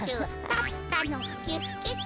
パッパのキュッキュと。